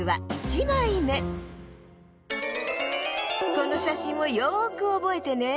このしゃしんをよくおぼえてね。